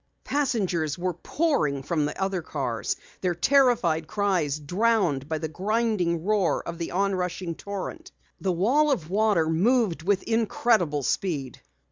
Passengers were pouring from the other cars, their terrified cries drowned by the grinding roar of the onrushing torrent. The wall of water moved with incredible speed.